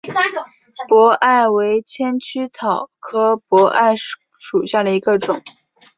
荸艾为千屈菜科荸艾属下的一个种。